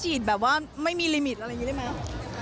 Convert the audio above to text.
แบบว่าไม่มีลิมิตอะไรอย่างนี้ได้ไหม